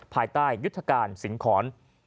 ภายใต้ยุทธการสิงหอน